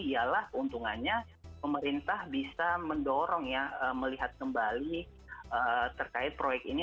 ialah keuntungannya pemerintah bisa mendorong ya melihat kembali terkait proyek ini